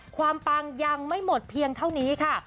ปังยังไม่หมดเพียงเท่านี้ค่ะ